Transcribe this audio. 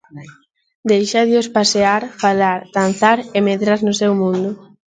Deixádeos pasear, falar, danzar e medrar no seu mundo.